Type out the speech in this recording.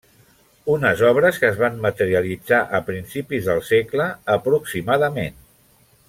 Unes obres que es van materialitzar a principis del segle, aproximadament.